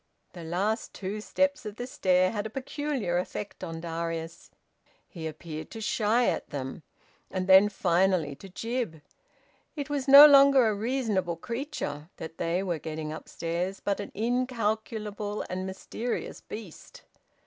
The last two steps of the stair had a peculiar effect on Darius. He appeared to shy at them, and then finally to jib. It was no longer a reasonable creature that they were getting upstairs, but an incalculable and mysterious beast.